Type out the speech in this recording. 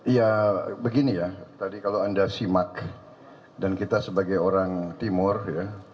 ya begini ya tadi kalau anda simak dan kita sebagai orang timur ya